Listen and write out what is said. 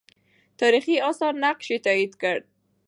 تاریخي آثار نقش یې تایید کړ.